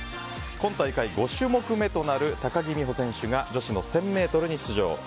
今大会、５種目めとなる高木美帆選手が女子の１０００ｍに出場。